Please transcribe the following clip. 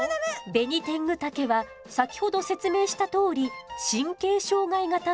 ベニテングタケは先ほど説明したとおり神経障害型の毒キノコ。